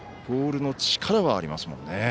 ボールの力はありますもんね。